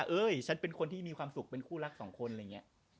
เอ้ยฉันเป็นคนที่มีความสุขเป็นคู่รักสองคนอะไรอย่างนี้